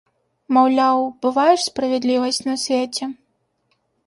Маўляў, бывае ж справядлівасць на свеце!